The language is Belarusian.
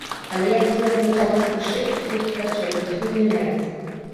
Але, як ужо адзначалася вышэй, усё цячэ, і ўсё змяняецца.